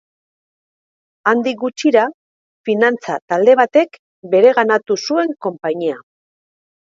Handik gutxira finantza-talde batek bereganatu zuen konpainia.